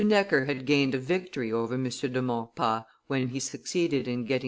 Necker had gained a victory over M. de Maurepas when he succeeded in getting M.